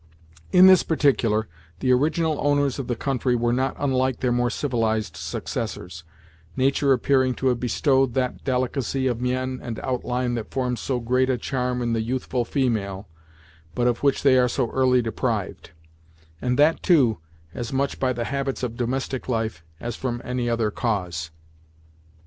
In this particular, the original owners of the country were not unlike their more civilized successors, nature appearing to have bestowed that delicacy of mien and outline that forms so great a charm in the youthful female, but of which they are so early deprived; and that, too, as much by the habits of domestic life as from any other cause.